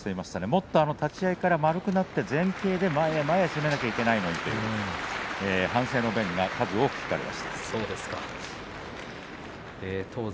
もっと立ち合いから丸くなって前傾で前へ前へいかなきゃいけないと反省の弁が数多く聞かれました。